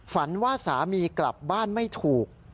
ฝันว่าสามีกลับบ้านไม่ถูก